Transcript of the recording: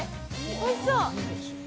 おいしそう。